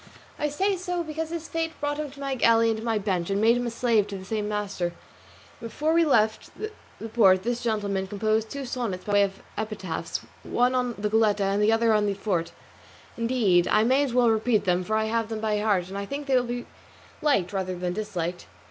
I say so because his fate brought him to my galley and to my bench, and made him a slave to the same master; and before we left the port this gentleman composed two sonnets by way of epitaphs, one on the Goletta and the other on the fort; indeed, I may as well repeat them, for I have them by heart, and I think they will be liked rather than disliked.